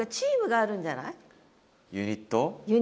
ユニット。